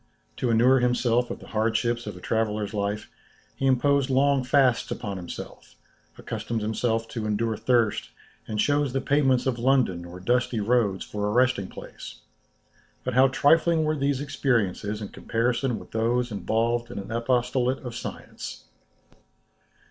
To inure himself to the hardships of a traveller's life, he imposed long fasts upon himself, accustomed himself to endure thirst, and chose the pavements of London or dusty roads for a resting place. But how trifling were these experiences in comparison with those involved in an apostolate of science!